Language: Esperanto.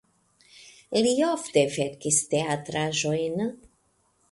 Li ofte verkis teatraĵojn.